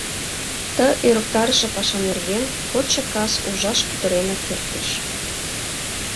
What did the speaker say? Ты ӧрыктарыше паша нерген кодшо кас ужаш кутыренак эртыш.